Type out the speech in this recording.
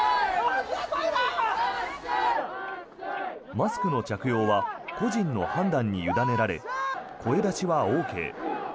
マスクの着用は個人の判断に委ねられ声出しはＯＫ。